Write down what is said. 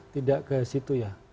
tidak ke situ ya